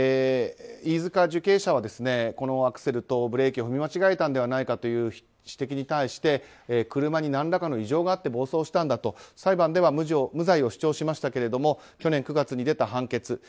飯塚受刑者はアクセルとブレーキを踏み間違えたのではないかという指摘に対して車に何らかの異常があって暴走したんだと裁判では無罪を主張しましたけれども去年９月に出た判決